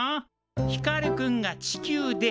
ひかるくんが地球で。